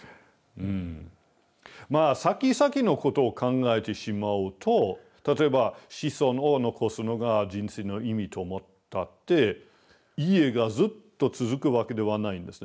まあ先々のことを考えてしまうと例えば子孫を残すのが人生の意味と思ったって家がずっと続くわけではないんですね。